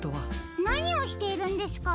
なにをしているんですか？